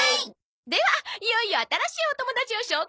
ではいよいよ新しいお友達を紹介します。